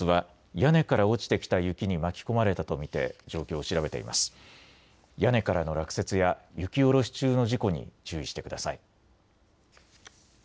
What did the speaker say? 屋根からの落雪や雪下ろし中の事故に注意してください。